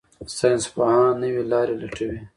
ساینسپوهان نوې لارې لټوي.